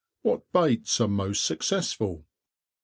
What baits are most successful_?